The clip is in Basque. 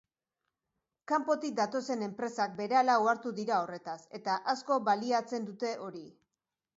Kanpotik datozen enpresak berehala ohartu dira horretaz, eta asko baliatzen dute hori.